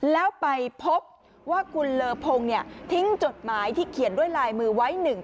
แล้วไปพบว่าคุณเลอพงทิ้งจดหมายที่เขียนด้วยลายมือไว้